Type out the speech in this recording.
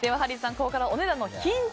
ここからお値段のヒント